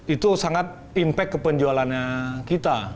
itu sangat impact ke penjualannya kita